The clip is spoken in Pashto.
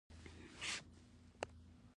د سویل ولایتونه خرما لري.